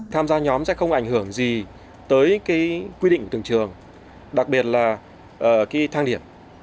tham gia nhóm sẽ không ảnh hưởng gì tới cái quy định của từng trường đặc biệt là cái thang điểm